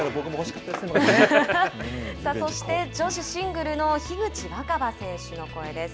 そして女子シングルの樋口新葉選手の声です。